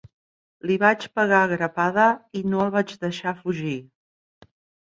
Li vaig pegar grapada i no el vaig deixar fugir.